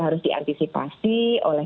harus diantisipasi oleh